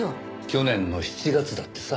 去年の７月だってさ。